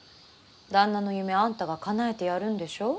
旦那の夢あんたがかなえてやるんでしょ？